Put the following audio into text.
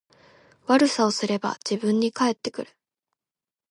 悪さをすれば自分に返ってくる